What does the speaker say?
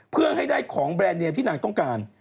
เพื่อให้ได้ของแบรนดเนียมที่นางต้องการ